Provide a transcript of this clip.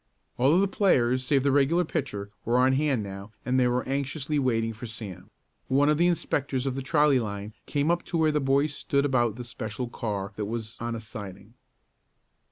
All of the players, save the regular pitcher, were on hand now and they were anxiously waiting for Sam. One of the inspectors of the trolley line came up to where the boys stood about the special car that was on a siding.